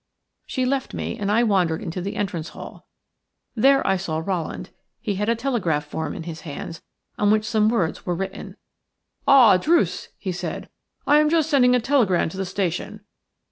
She left me, and I wandered into the entrance hall. There I saw Rowland. He had a telegraph form in his hands, on which some words were written. "Ah, Druce!" he said. "I am just sending a telegram to the station.